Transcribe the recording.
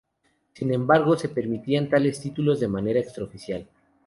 Sin embargo, se permitían tales títulos de manera extraoficial.